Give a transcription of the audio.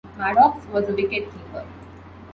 Maddocks was a wicket-keeper.